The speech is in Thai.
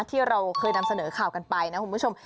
ที่เราเคยนำเสนอข่าวกันไปนะคุณผู้ชม